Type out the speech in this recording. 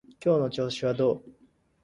今日の調子はどう？